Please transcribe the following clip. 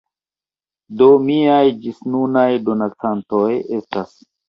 Do miaj ĝisnunaj donacantoj estas